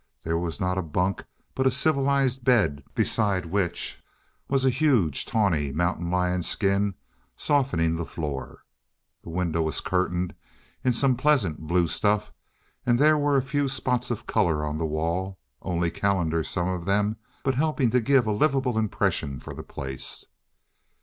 There was not a bunk, but a civilized bed, beside which was a huge, tawny mountain lion skin softening the floor. The window was curtained in some pleasant blue stuff, and there were a few spots of color on the wall only calendars, some of them, but helping to give a livable impression for the place.